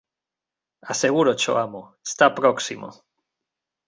Asegúrocho, amo: está próximo.